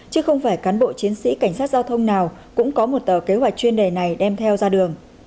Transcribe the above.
chứ không phải cán bộ chiến sĩ cảnh sát giao thông nào cũng có một tờ kế hoạch chuyên đề này đem theo ra đường